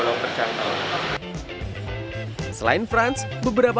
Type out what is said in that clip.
selain franz beberapa pengguna ikan gabus ini juga memiliki keindahan warna yang menarik